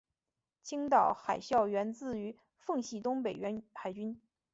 青岛海校源自于奉系东北海军。